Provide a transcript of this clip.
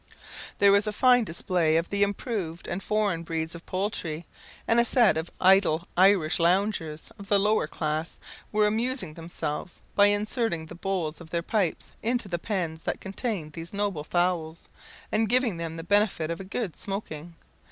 There was a very fine display of the improved and foreign breeds of poultry; and a set of idle Irish loungers, of the lower class, were amusing themselves by inserting the bowls of their pipes into the pens that contained these noble fowls, and giving them the benefit of a good smoking.